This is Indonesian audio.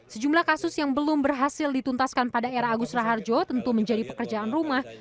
sejumlah kasus yang belum berhasil dituntaskan pada era agus raharjo tentu menjadi pekerjaan rumah